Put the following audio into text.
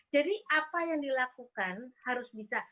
jadi apa yang dilakukan harus bisa